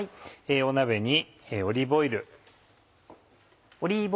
鍋にオリーブオイル。